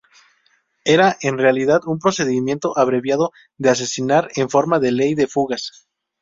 Era en realidad un procedimiento abreviado de asesinar en forma de Ley de fugas.